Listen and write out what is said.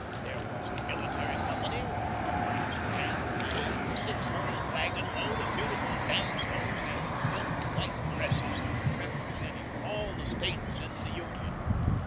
There was a military company, a brass band, and a six horse wagon load of beautiful damsels in milk white dresses representing all the States in the Union.